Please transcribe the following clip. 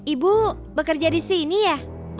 ibu bekerja disini ya